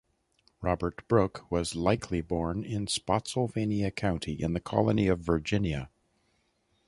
Robert Brooke was likely born in Spotsylvania County in the Colony of Virginia.